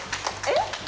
えっ？